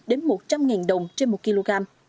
đến một trăm linh đồng trên một kg